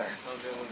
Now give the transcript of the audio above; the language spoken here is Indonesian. oh kangen spraying